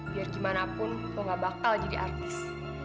biar gimana pun kok gak bakal jadi artis